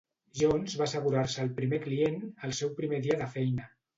Jones va assegurar-se el primer client el seu primer dia de feina.